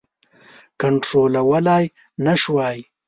کنټرولولای نه شوای.